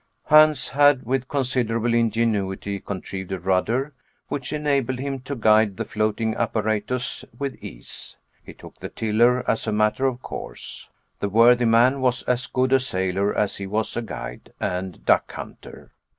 Hans had, with considerable ingenuity, contrived a rudder, which enabled him to guide the floating apparatus with ease. He took the tiller, as a matter of course. The worthy man was as good a sailor as he was a guide and duck hunter.